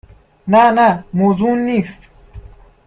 نه , نه موضوع اون نیست